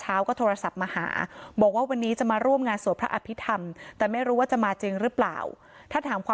ถ้าถามความรู้สึกไหม่ไม่อยากจะคิดถึงเรื่องอื่นนะคะ